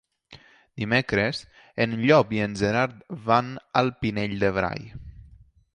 Dimecres en Llop i en Gerard van al Pinell de Brai.